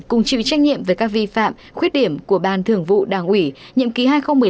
cùng chịu trách nhiệm về các vi phạm khuyết điểm của ban thường vụ đảng ủy nhiệm ký hai nghìn một mươi năm hai nghìn một mươi năm